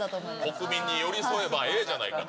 国民に寄り添えばＡじゃないかと。